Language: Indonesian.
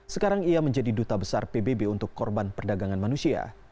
sekarang ia menjadi duta besar pbb untuk korban perdagangan manusia